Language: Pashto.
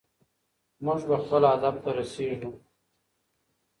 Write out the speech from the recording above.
موږ به خپل هدف ته رسیږو.